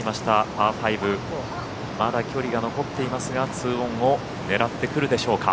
パー５まだ距離が残っていますが２オンを狙ってくるでしょうか。